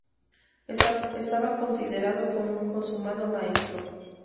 Estaba considerado como un consumado maestro.